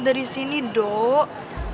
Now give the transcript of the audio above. dari sini dok